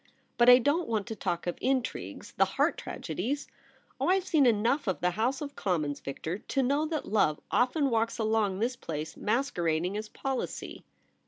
But I don't want to talk of intrigues ; the heart tragedies ! Oh, I've seen enough of the House of Commons, Victor, to know that love often walks along this place masquerading as policy.'